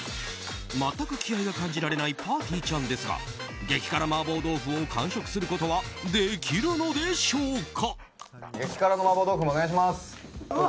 全く気合が感じられないぱーてぃーちゃんですが激辛麻婆豆腐を完食することはできるのでしょうか。